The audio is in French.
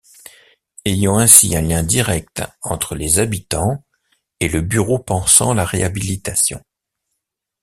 Ayant ainsi un lien direct entre les habitants et le bureau pensant la réhabilitation.